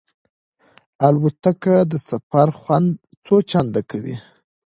الوتکه د سفر خوند څو چنده کوي.